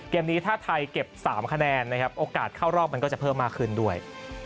เกมนี้ถ้าไทยเก็บ๓คะแนนนะครับโอกาสเข้ารอบมันก็จะเพิ่มมากขึ้นด้วย